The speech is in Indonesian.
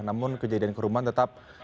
namun kejadian keruman tetap tidak